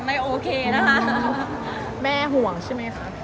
คุณแม่และแม่ใครที่โฮเฮอร์เซา